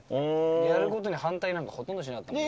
やる事に反対なんかほとんどしなかったもんね。